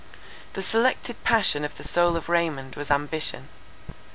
The selected passion of the soul of Raymond was ambition.